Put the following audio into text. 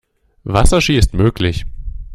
Wasserski ist möglich.